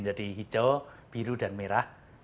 jadi hijau biru dan merah